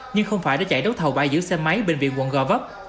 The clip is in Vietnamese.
nhưng không phải đã chạy đấu thầu bài giữ xe máy bệnh viện quận gò vấp